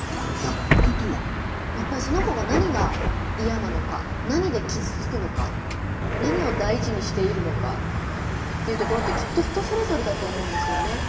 やっぱりその子が何が嫌なのか何できずつくのか何をだいじにしているのかっていうところってきっと人それぞれだと思うんですよね。